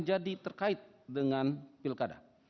jadi terkait dengan pilkada